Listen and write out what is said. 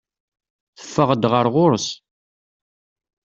Teffeɣ-d ɣer ɣur-s.